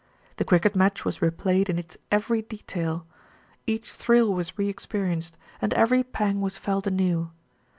The cricket match was replayed in its every detail; each thrill was re experienced, and every pang was felt anew.